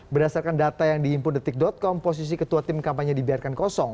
berdasarkan data yang dihimpun detik com posisi ketua tim kampanye dibiarkan kosong